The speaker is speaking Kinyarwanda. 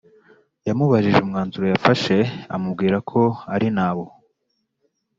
yamubajije umwanzuro yafashe amubwira ko ari ntawo